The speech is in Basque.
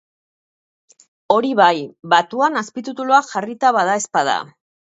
Hori bai, batuan azpitituluak jarrita badaezpada.